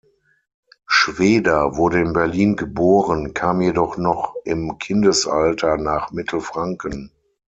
Schweder wurde in Berlin geboren, kam jedoch noch im Kindesalter nach Mittelfranken.